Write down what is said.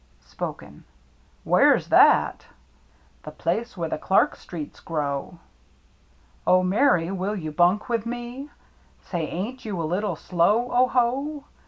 (Spoken) WHERE'S THAT? The place where the Clark streets grow. " Oh, Mary, will you bunk with me ?•« Say, ain't you a little slow, O ho